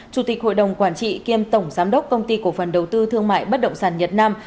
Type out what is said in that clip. chủ tịch hội đồng quản trị kiêm tổng giám đốc công ty cổ phần đầu tư thương mại bất động sản nhật nam